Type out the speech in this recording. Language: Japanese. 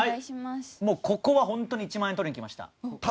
ここは本当に１万円をとりにきました。